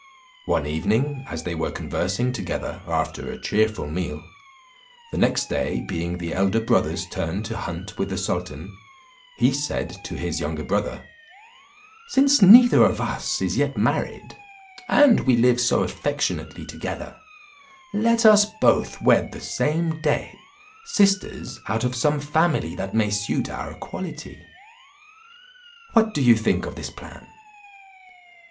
One evening as they were conversing together after a cheerful meal, the next day being the elder brother's turn to hunt with the sultan, he said to his younger brother, "Since neither of us is yet married, and we live so affectionately together, let us both wed the same day sisters out of some family that may suit our quality. What do you think of this plan?"